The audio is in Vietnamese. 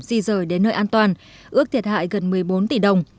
di rời đến nơi an toàn ước thiệt hại gần một mươi bốn tỷ đồng